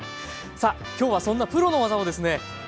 さあ今日はそんなプロの技をですね